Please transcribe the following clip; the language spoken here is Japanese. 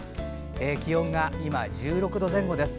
気温が今１６度前後です。